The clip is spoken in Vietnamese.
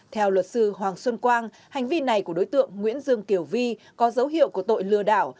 theo luật sư hoàng xuân quang hành vi này của đối tượng nguyễn dương kiều vi có dấu hiệu của tội lừa đảo